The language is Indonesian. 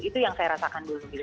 itu yang saya rasakan dulu sendiri